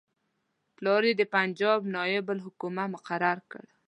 پلار یې د پنجاب نایب الحکومه مقرر کړ.